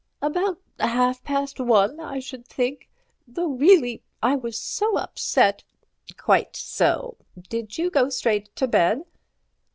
"About half past one, I should think. Though reelly, I was so upset—" "Quite so. Did you go straight to bed?"